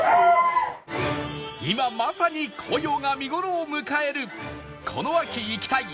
今まさに紅葉が見頃を迎えるこの秋行きたい！